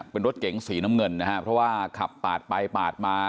เป็นรถเก๋งสีน้ำเงินนะฮะเพราะว่าขับปาดไปปาดมา